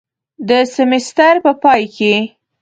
د سیمیستر په پای کې